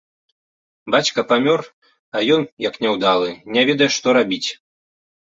Бацька памёр, а ён, як няўдалы, не ведае, што рабіць.